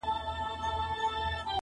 ایبنه دي نه کړمه بنګړی دي نه کړم,